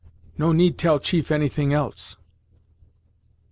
No need tell chief any thing else."